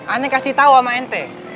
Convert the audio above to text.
aneh kasih tau sama ente